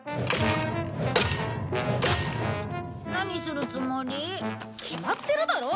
何するつもり？決まってるだろ。